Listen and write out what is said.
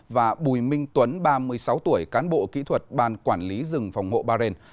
và bùi minh tuấn ba mươi sáu tuổi cán bộ kỹ thuật ban quản lý rừng phòng hộ bà rền